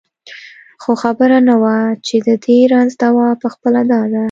خو خبره نه وه چې د دې رنځ دوا پخپله دا ده.